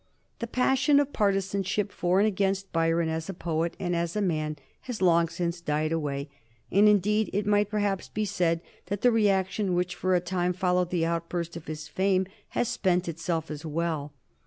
The passion of partisanship for and against Byron as a poet and as a man has long since died away, and indeed it might perhaps be said that the reaction which, for a time, followed the outburst of his fame has spent itself as well.